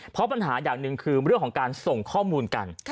เพราะปัญหาอย่างหนึ่งคือเรื่องของการส่งข้อมูลกัน